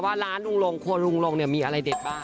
ว่าร้านลุงลงครัวลุงลงเนี่ยมีอะไรเด็ดบ้าง